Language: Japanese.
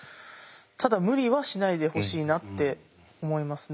ただ無理はしないでほしいなって思いますね。